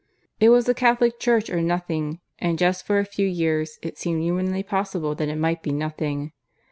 "It was the Catholic Church or nothing. And just for a few years it seemed humanly possible that it might be nothing.